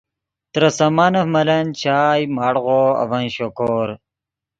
ترے سامانف ملن چائے، مڑغو اڤن شوکور